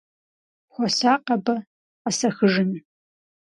Хуэсакъ абы, къэсэхыжын!